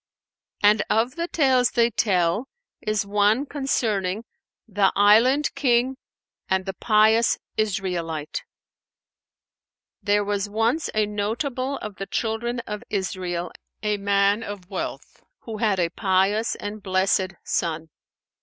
'" And of the tales they tell is one concerning THE ISLAND KING AND THE PIOUS ISRAELITE. There was once a notable of the Children of Israel, a man of wealth who had a pious and blessed son.